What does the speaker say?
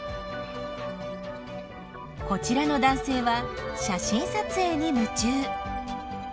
こちらの男性は写真撮影に夢中。